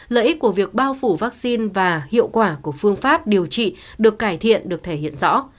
lợi ích của việc bao phủ vaccine và hiệu quả của phương pháp điều trị được cải thiện được thể hiện rõ